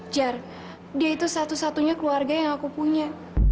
jar dia itu satu satunya keluarga yang aku punya